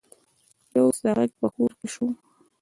يو څه غږ په کور کې شو.